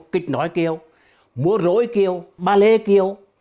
kịch nói kiều múa rỗi kiều ba lê kiều